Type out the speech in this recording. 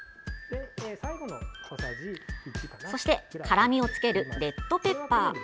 そして、辛みをつけるレッドペッパー。